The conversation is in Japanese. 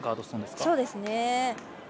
そうですね。